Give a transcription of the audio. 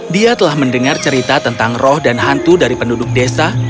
dia telah mendengar cerita tentang roh dan hantu dari penduduk desa